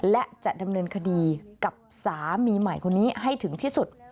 และจะดำเนินคดีกับสามีใหม่คนนี้ให้ถึงที่สุด